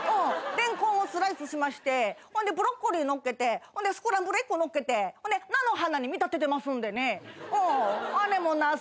れんこんをスライスしましてほんでブロッコリーのっけてスクランブルエッグのっけてほんで菜の花に見立ててますんでね。